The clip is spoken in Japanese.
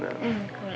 これ。